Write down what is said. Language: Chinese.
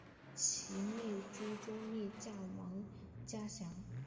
其妹朱仲丽嫁王稼祥。